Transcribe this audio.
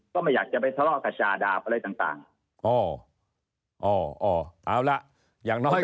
ก็ไม่อยากจะไปทะเลาะกับชาดาบอะไรต่างต่างอ๋ออ๋ออ๋อเอาละอย่างน้อย